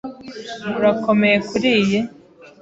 Urakomeye kuriyi.